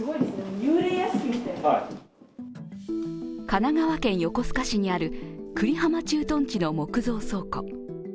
神奈川県横須賀市にある久里浜駐屯地の木造倉庫。